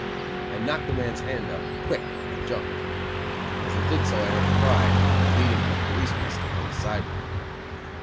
I knocked the man's hand up, quick, and jumped. As I did so I heard a cry and then the beating of a policeman's stick on the sidewalk.